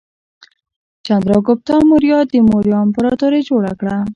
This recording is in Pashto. چندراګوپتا موریا د موریا امپراتورۍ جوړه کړه.